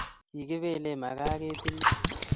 Kibelee makaa ketinni